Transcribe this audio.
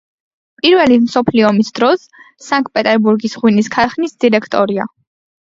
პირველი მსოფლიო ომის დროს სანქტ-პეტერბურგის ღვინის ქარხნის დირექტორია.